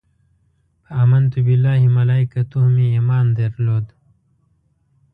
په امنت بالله ملایکته مې ایمان درلود.